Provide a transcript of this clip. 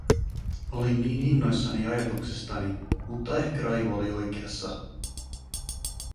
Olin niin innoissani ajatuksestani, mutta ehkä Raivo oli oikeassa.